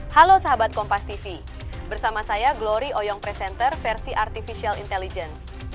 halo sahabat kompas tv bersama saya glory oyong presenter versi artificial intelligence